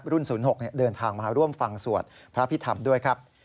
๐๖เดินทางมาร่วมฟังสวดพระพิธรรมด้วยครับ